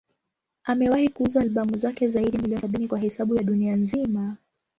Amewahi kuuza albamu zake zaidi ya milioni sabini kwa hesabu ya dunia nzima.